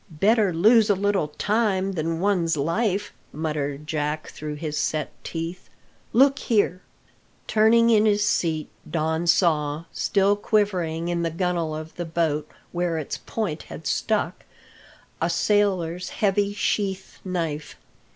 "Better lose a little time than one's life," muttered Jack through his set teeth. "Look here!" Turning in his seat Don saw, still quivering in the gun'le of the boat where its point had stuck, a sailor's heavy sheath knife.